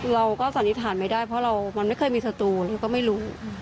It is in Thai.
เราก็สันนิษฐานไม่ได้เพราะมันไม่เคยมีสัตว์เลยก็ไม่รู้